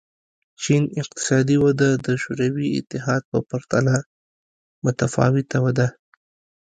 چین اقتصادي وده د شوروي اتحاد په پرتله متفاوته ده.